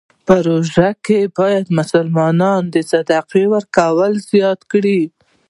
روژه کې باید مسلمان د صدقې ورکړه زیاته کړی.